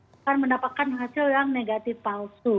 akan mendapatkan hasil yang negatif palsu